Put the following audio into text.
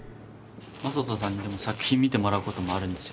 まさとさんに作品見てもらうこともあるんですよね？